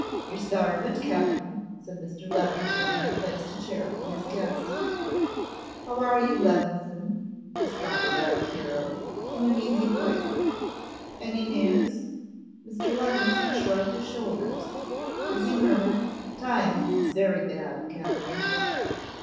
'Your sarvant, Captin,' said Mr. Levison, and he placed a chair for his guest. 'How are you, Levison?' responded our hero in an easy voice. 'Any news?' Mr. Levison shrugged his shoulders, as he murmured, 'Times is very bad, Captin.